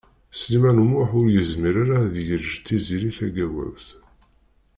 Sliman U Muḥ ur yezmir ara ad yeǧǧ Tiziri Tagawawt.